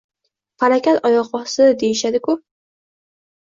– Palakat oyoq ostida, deyishadi-ku